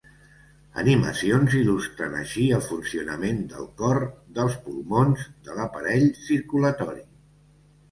Animacions il·lustren així el funcionament del cor, dels pulmons, de l'aparell circulatori.